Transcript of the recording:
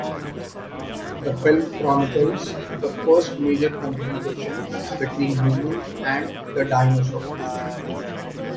The film chronicles the first major confrontation between humans and the dinosaurs.